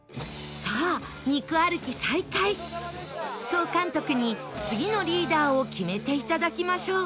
総監督に次のリーダーを決めていただきましょう